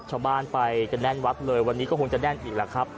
ชาวบ้านไปกันแน่นวัดเลยวันนี้ก็คงจะแน่นอีกแล้วครับ